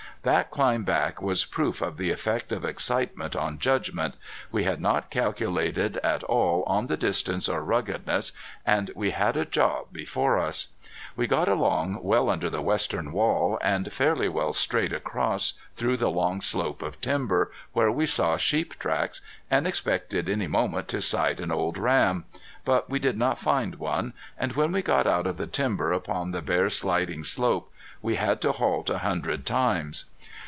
That climb back was proof of the effect of excitement on judgment. We had not calculated at all on the distance or ruggedness, and we had a job before us. We got along well under the western wall, and fairly well straight across through the long slope of timber, where we saw sheep tracks, and expected any moment to sight an old ram. But we did not find one, and when we got out of the timber upon the bare sliding slope we had to halt a hundred times.